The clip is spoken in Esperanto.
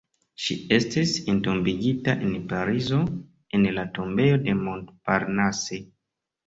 Ŝi estis entombigita en Parizo en la Tombejo de Montparnasse.